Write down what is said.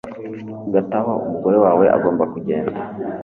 Hagati aho umugore wawe agomba kugenda